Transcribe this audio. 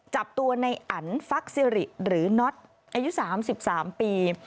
จับตัวในอันฟักซิริหรือน็อตอายุสามสิบสามปี